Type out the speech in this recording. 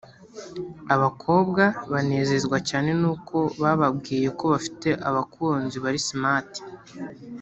… Abakobwa banezezwa cyane nuko bababwiye ko bafite abakunzi bari smart